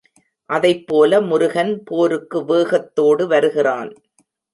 அதைப்போல முருகன் போருக்கு வேகத்தோடு வருகிறான்.